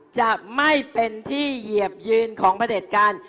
จะไม่เป็นที่เหยียบยืนของพระเด็จการ